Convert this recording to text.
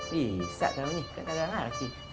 bisa kamu nih kan ada larang sih